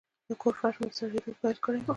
د کور فرش مې سړېدو پیل کړی و.